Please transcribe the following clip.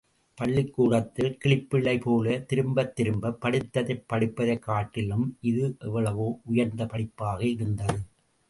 பள்ளிக்கூடத்தில் கிளிப்பிள்ளை போல திரும்பத் திரும்ப படித்ததையே படிப்பதைக் காட்டிலும், இது எவ்வளவோ உயர்ந்த படிப்பாக இருந்தது.